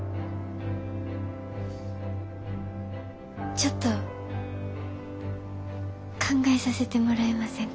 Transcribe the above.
ちょっと考えさせてもらえませんか？